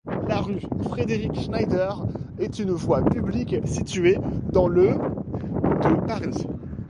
La rue Frédéric-Schneider est une voie publique située dans le de Paris.